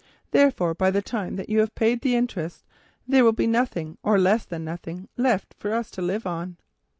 Therefore, by the time that you have paid the interest, there will be nothing, or less than nothing, left for us to live on."